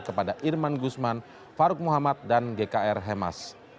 kepada irman gusman faruk muhammad dan gkr hemas